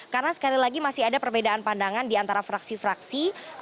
karena sekali lagi masih ada perbedaan pandangan di antara fraksi fraksi